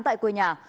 tại quê nhà